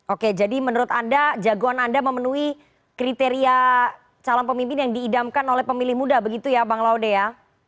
oke jadi menurut anda jagoan anda memenuhi kriteria calon pemimpin yang diidamkan oleh pemilih muda begitu ya bang laude ya